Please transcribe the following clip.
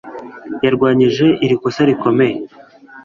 yarwanyije iri kosa rikomeye